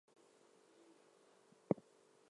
Under cover of heavy fire the boats were sent in.